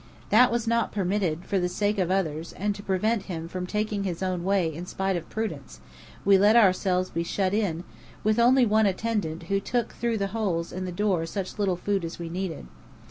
That was not permitted, for the sake of others; and to prevent him from taking his own way in spite of prudence, we let ourselves be shut in, with only one attendant who took through the holes in the door such little food as we needed.